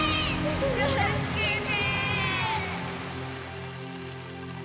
助けて！